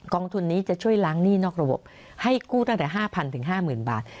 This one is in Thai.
องทุนนี้จะช่วยล้างหนี้นอกระบบให้กู้ตั้งแต่๕๐๐๕๐๐บาท